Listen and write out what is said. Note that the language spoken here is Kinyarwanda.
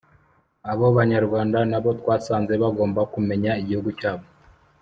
abo banyarwanda na bo twasanze bagomba kumenya igihugu cyabo,